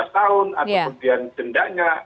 lima belas tahun atau kemudian dendanya